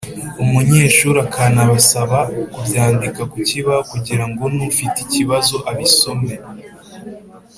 umunyeshuri akanabasaba kubyandika ku kibaho kugira ngo n’ufite ikibazo abisaome